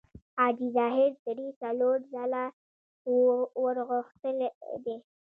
حاجي ظاهر درې څلور ځله ورغوښتی دی.